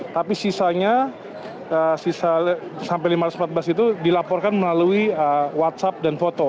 tapi sisanya sisa sampai lima ratus empat belas itu dilaporkan melalui whatsapp dan foto